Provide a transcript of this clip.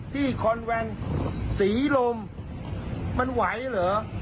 ที่คอนแวลนด์ศรีลมมันไหวเหรอ